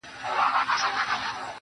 تر پرون مي يوه کمه ده راوړې,